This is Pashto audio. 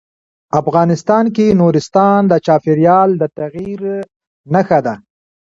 افغانستان کې نورستان د چاپېریال د تغیر نښه ده.